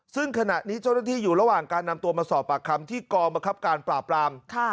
ซึ่งขณะนี้เจ้าหน้าที่อยู่ระหว่างการนำตัวมาสอบปากคำที่กองบังคับการปราบปราม